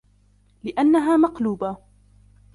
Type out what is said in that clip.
لِأَنَّهَا مَقْلُوبَةٌ